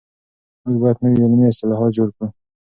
موږ بايد نوي علمي اصطلاحات جوړ کړو.